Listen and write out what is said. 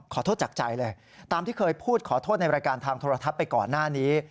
ขอโทษจากใจเลยตามที่เคยพูดขอโทษในรายการทางโทรทัศน์ไปก่อนหน้านี้